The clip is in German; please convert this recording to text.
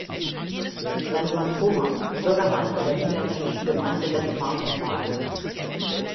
Sein Sohn Thomas ist Bürgermeister der niederländischen Gemeinde West Maas en Waal.